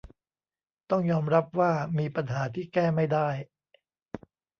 ต้องยอมรับว่ามีปัญหาที่แก้ไม่ได้